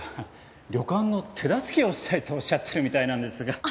旅館の手助けをしたいとおっしゃってるみたいなんですが。